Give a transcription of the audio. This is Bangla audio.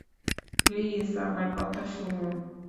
প্লিজ আমার কথা শুনুন।